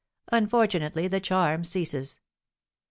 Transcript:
Unfortunately the charm ceases.